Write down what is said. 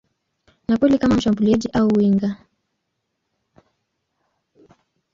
Napoli kama mshambuliaji au winga.